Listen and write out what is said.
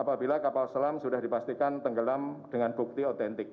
apabila kapal selam sudah dipastikan tenggelam dengan bukti otentik